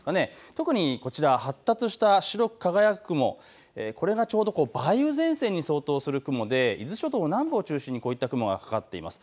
特にこちら、発達した白く輝く雲、これが梅雨前線に相当する雲で伊豆諸島南部を中心に雲がかかっています。